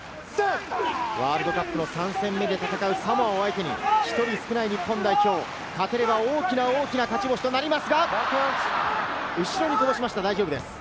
ワールドカップの３戦目で戦うサモアを相手に１人少ない日本代表、勝てれば大きな勝ち星となりますが、後ろにこぼしました、大丈夫です。